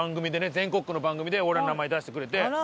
全国区の番組で俺らの名前出してくれて。